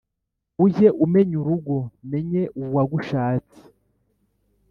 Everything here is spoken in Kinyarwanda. Ujye umenya urugo, menye uwagushatseee